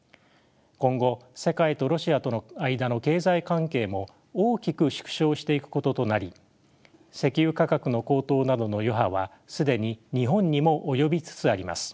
今後世界とロシアとの間の経済関係も大きく縮小していくこととなり石油価格の高騰などの余波は既に日本にも及びつつあります。